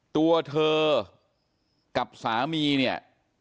ตัวเธอกับสามีเนี่ย